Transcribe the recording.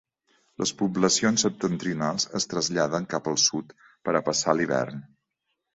Les poblacions septentrionals es traslladen cap al sud per a passar l'hivern.